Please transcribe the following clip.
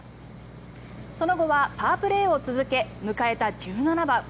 その後はパープレーを続け迎えた１７番。